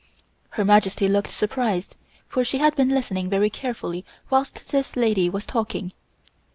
Her Majesty looked surprised, for she had been listening very carefully whilst this lady was talking.